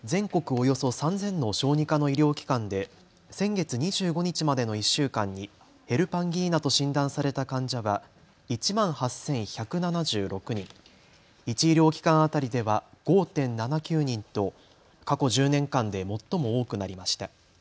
およそ３０００の小児科の医療機関で先月２５日までの１週間にヘルパンギーナと診断された患者は１万８１７６人、１医療機関当たりでは５．７９人と過去１０年間で最も多くなりました。